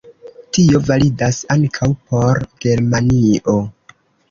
Tio validas ankaŭ por Germanio.